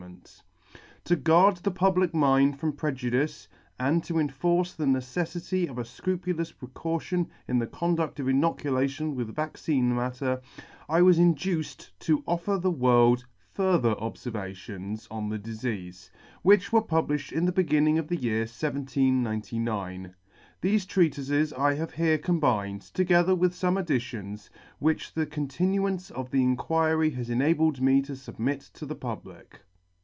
K 2 To [ 68 ] To guard the public mind from prejudice, and to enforce the neceffity of a fcrupulous precaution in the condu£t of inoculation with vaccine matter, I was induced to offer to the world " Further Obfervations 93 on the difeafe, which were pub lifhed in the beginning of the year 1799. Thefe Treatifes I have here combined, together with fome additions, which the continuance of the Inquiry has enabled me to fubmit to the public.